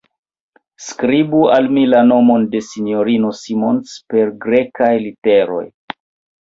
Skribu al mi la nomon de S-ino Simons per Grekaj literoj!